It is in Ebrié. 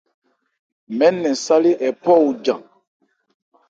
Mɛɛ́n nɛn sálé hɛ phɔ ojan.